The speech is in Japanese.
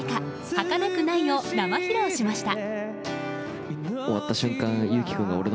「儚くない」を生披露しました。